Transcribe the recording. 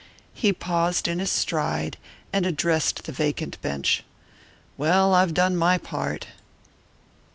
He paused in his stride and addressed the vacant bench: "Well, I've done my part."